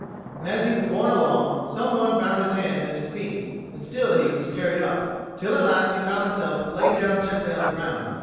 And as he was borne along, some one bound his hands and his feet; and still he was carried up, till at last he found himself laid down gently on the ground.